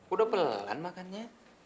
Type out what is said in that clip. udah pelan makannya